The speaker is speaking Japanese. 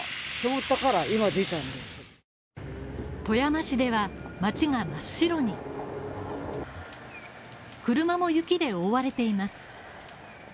富山市では、町が真っ白に車も雪でおおわれています。